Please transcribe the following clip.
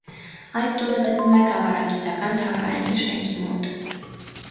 Այդ տունը գտնվում է գավառագիտական թանգարանի շենքի մոտ։